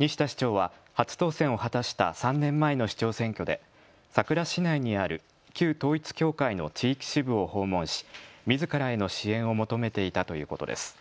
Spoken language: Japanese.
西田市長は初当選を果たした３年前の市長選挙で佐倉市内にある旧統一教会の地域支部を訪問し、みずからへの支援を求めていたということです。